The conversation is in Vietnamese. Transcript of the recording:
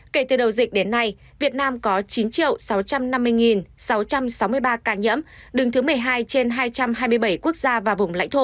kể từ đầu dịch đến nay việt nam có chín sáu trăm năm mươi sáu trăm sáu mươi ba ca nhiễm đứng thứ một mươi hai trên hai trăm hai mươi bảy quốc gia và vùng lãnh thổ